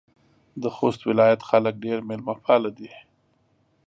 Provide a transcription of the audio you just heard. د خوست ولایت خلک ډېر میلمه پاله دي.